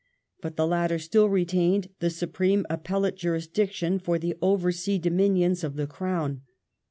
But the latter still retained the supreme appellate jurisdiction for the over sea dominions of the Crown.